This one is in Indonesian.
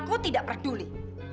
aku tidak peduli